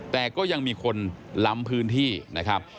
แต่ก็ยังมีคนล้ำพื้นที่นะครับ